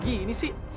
aku bisa begini sih